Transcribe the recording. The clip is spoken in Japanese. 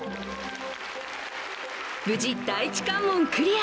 無事、第一関門クリア。